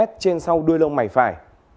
trên sau đuôi lông mảy phải